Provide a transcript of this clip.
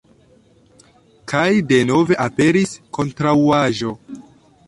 Kaj denove aperis kontraŭaĵo.